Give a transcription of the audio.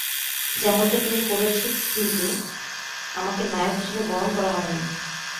যেমনটা তুমি করেছো কিন্তু, আমাকে নায়ক হিসেবে বরণ করা হয়নি।